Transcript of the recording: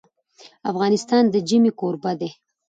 افغانستان د ژمی کوربه دی.